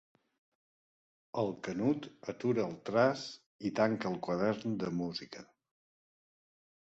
El Canut atura el traç i tanca el quadern de música.